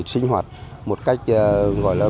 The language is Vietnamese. để sinh hoạt một cách gọi là để sinh hoạt một cách gọi là